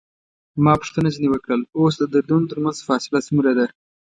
ما پوښتنه ځنې وکړل: اوس د دردونو ترمنځ فاصله څومره ده؟